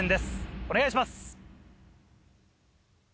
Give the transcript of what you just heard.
お願いします。